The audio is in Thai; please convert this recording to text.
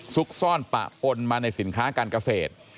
ซุกซ่อนปะปนมาในสินค้าการเกษตร